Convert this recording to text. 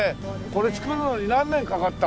これ造るのに何年かかった？